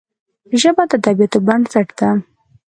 ژبه د ادبياتو بنسټ ده